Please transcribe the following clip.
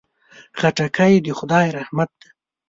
خټکی د خدای رحمت دی.